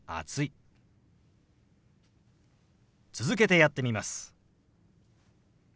続けてやってみます。